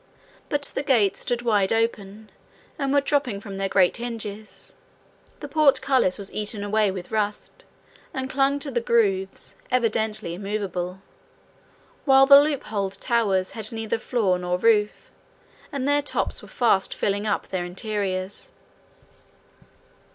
But the gates stood wide open, and were dropping from their great hinges; the portcullis was eaten away with rust, and clung to the grooves evidently immovable; while the loopholed towers had neither floor nor roof, and their tops were fast filling up their interiors.